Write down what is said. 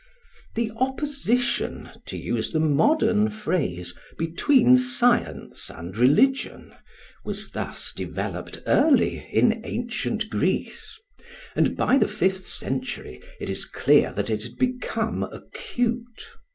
The opposition, to use the modern phrase, between science and religion, was thus developed early in ancient Greece; and by the fifth century it is clear that it had become acute.